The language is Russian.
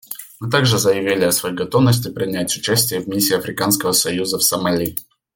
Мы также заявили о своей готовности принять участие в Миссии Африканского союза в Сомали.